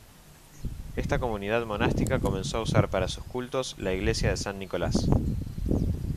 Esta comunidad monástica comenzó a usar para sus cultos la iglesia de San Nicolás.